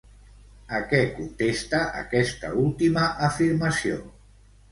A què contesta aquesta última afirmació?